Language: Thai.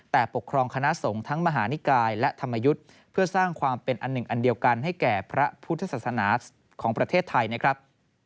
แต่ปกครองคณะสงฆ์ทั้งมหานิกายและธรรมยุทธ์เพื่อสร้างความเป็นอันหนึ่งอันเดียวกันให้แก่พระพุทธศาสนาของประเทศไทยนะครับ